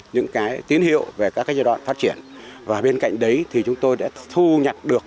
những cái tín hiệu về các cái giai đoạn phát triển và bên cạnh đấy thì chúng tôi đã thu nhặt được